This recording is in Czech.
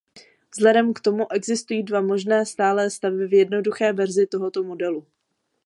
Vzhledem k tomu existují dva možné stálé stavy v jednoduché verzi tohoto modelu.